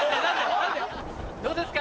どうですか？